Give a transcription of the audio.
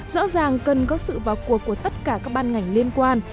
rõ ràng cần có sự vào cuộc của tất cả các ban ngành liên quan